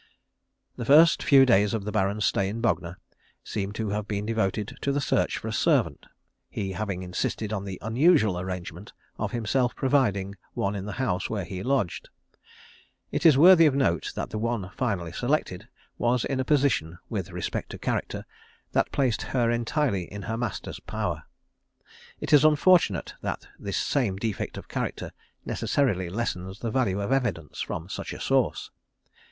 _ The first few days of the Baron's stay in Bognor seem to have been devoted to the search for a servant, he having insisted on the unusual arrangement of himself providing one in the house where he lodged. It is worthy of note that the one finally selected was in a position, with respect to character, that placed her entirely in her master's power. It is unfortunate that this same defect of character necessarily lessens the value of evidence from such a source.